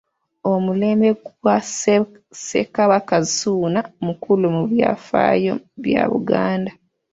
Omulembe gwa Ssekabaka Ssuuna mukulu mu byafaayo bya Buganda.